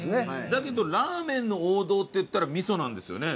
だけどラーメンの王道っていったらみそなんですよね。